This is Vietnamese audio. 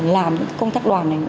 làm công tác đoàn này